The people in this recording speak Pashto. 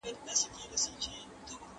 زه به ليکنه کړې وي!؟